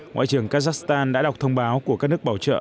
ngoại trưởng kazakhstan đã đọc thông báo của các nước bảo trợ